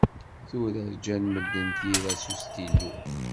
Tura ǧǧan medden tira s ustilu.